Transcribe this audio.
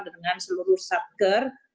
dengan seluruh satker